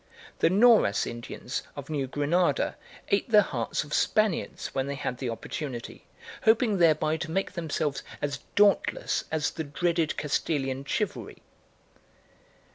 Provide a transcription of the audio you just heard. The Nauras Indians of New Granada ate the hearts of Spaniards when they had the opportunity, hoping thereby to make themselves as dauntless as the dreaded Castilian chivalry.